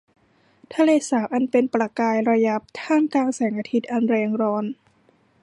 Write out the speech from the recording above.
ทะเลสาบเป็นประกายระยับท่ามกลางแสงอาทิตย์อันแรงร้อน